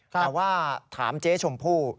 แต่ว่าถามเจ๊ชมพู่